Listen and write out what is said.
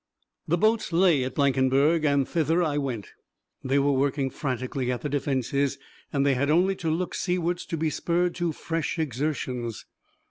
The boats lay at Blankenberg, and thither I went. They were working frantically at the defences, and they had only to look seawards to be spurred to fresh exertions.